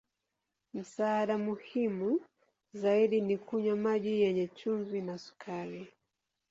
Msaada muhimu zaidi ni kunywa maji yenye chumvi na sukari.